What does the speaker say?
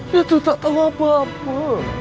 itu tak tahu apa apa